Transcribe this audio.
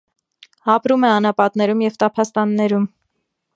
Ապրում է անապատներում և տափաստաններում։